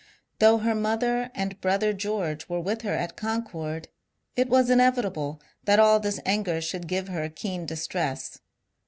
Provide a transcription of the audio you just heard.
Though her mother and brother George were with her at Concord, it was inevitable that all this anger should give her keen distress.